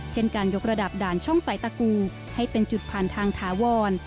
เช่นการยกระดับด่านช่องสายตะกูให้เป็นจุดผ่านทางถาวร